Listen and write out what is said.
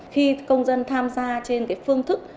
khi công dân tham gia trên phương thức